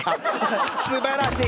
すばらしい！